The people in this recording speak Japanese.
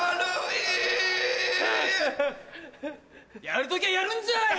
やるときゃやるんじゃい！